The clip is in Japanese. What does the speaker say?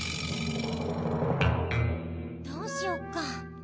どうしよっか。